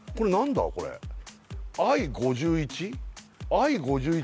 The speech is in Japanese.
Ｉ５１？